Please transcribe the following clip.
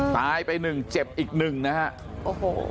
ตายไปหนึ่งเจ็บอีกหนึ่งนะฮะโอ้โห